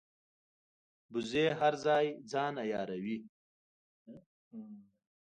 وزې هر ځای ځان عیاروي